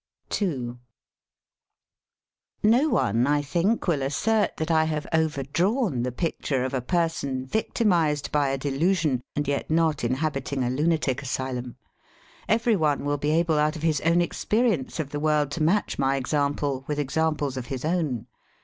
THE COMPLETE FUSSER 78 n No one, I think, will assert that I have over drawn the picture of a person victimised by a delusion and yet not inhabiting a lunatic asylum. Every one will be able out of his own experience of the world to match my example with examples of his own.